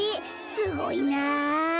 すごいな。